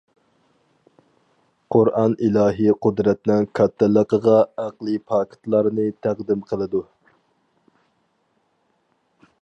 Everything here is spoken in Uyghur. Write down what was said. قۇرئان ئىلاھى قۇدرەتنىڭ كاتتىلىقىغا ئەقلى پاكىتلارنى تەقدىم قىلىدۇ.